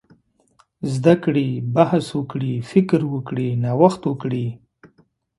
زده کړي، بحث وکړي، فکر وکړي، نوښت وکړي.